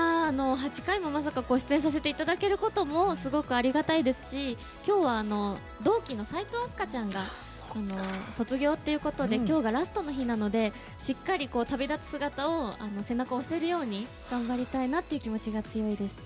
８回も出演させていただけることがすごくありがたいですし今日は同期の齋藤飛鳥ちゃんが卒業ということで今日がラストの日なのでしっかり旅立つ姿を背中を押せるように頑張りたいなという気持ちが強いです。